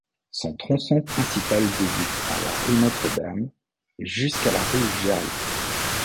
Son tronçon principal débute à la rue Notre-Dame jusqu'à la rue Jarry.